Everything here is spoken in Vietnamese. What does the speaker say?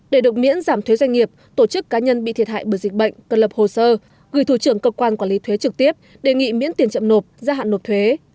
để được miễn giảm thuế doanh nghiệp tổ chức cá nhân bị thiệt hại bởi dịch bệnh cần lập hồ sơ gửi thủ trưởng cơ quan quản lý thuế trực tiếp đề nghị miễn tiền chậm nộp gia hạn nộp thuế